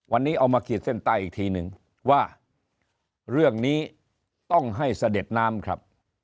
วันนี้เอามาขีดเส้นใต้อีกทีหนึ่งว่าเรื่องนี้ต้องให้เสด็จน้ำครับ